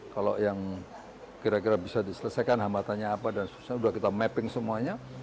kalau yang kira kira bisa diselesaikan hambatannya apa dan sudah kita mapping semuanya